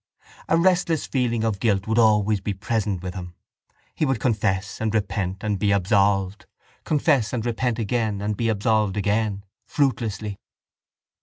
A restless feeling of guilt would always be present with him: he would confess and repent and be absolved, confess and repent again and be absolved again, fruitlessly.